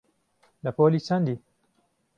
لە پۆلی چەندی؟